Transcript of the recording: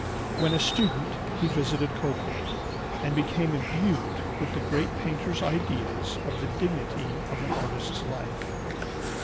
When a student he visited Copley, and became imbued with the great painter's ideas of the dignity of an artist's life.